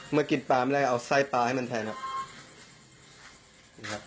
เมื่อกินปลาไม่ได้เอาไส้ปลาให้มันแทนครับ